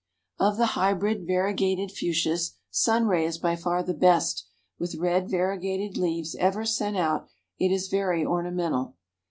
Of the Hybrid variegated Fuchsias, Sunray is by far the best with red variegated leaves ever sent out; it is very ornamental.